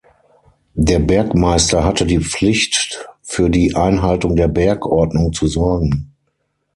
Der Bergmeister hatte die Pflicht, für die Einhaltung der Bergordnung zu sorgen.